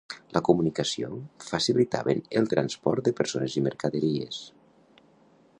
La comunicació, facilitaven el transport de persones i mercaderies.